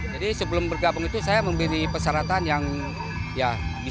jadi sebelum bergabung itu saya memiliki persyaratan yang bisa dibina